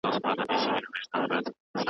ابن بطوطه تر ټولو مشهور سيلاني دی.